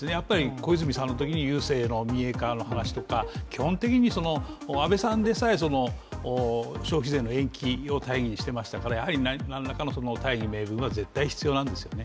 小泉さんのときの郵政の民営化の話とか基本的に安倍さんでさえ消費税の延期を大義にしてましたから何らかの大義名分は絶対必要なんですよね。